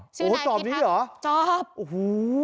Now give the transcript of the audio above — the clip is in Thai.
โอ้โหจอบนี้เหรอจอบโอ้โห